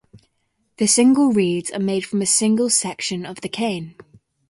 The single reeds are made from a single section of the cane.